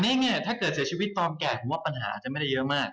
เองเนี่ยถ้าเกิดเสียชีวิตตอมแก่ผมว่าปัญหาจะไม่ได้เยอะมาก